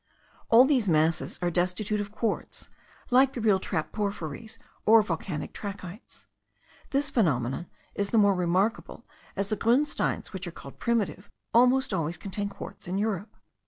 All these masses are destitute of quartz like the real trap porphyries, or volcanic trachytes. This phenomenon is the more remarkable, as the grunsteins which are called primitive almost always contain quartz in Europe.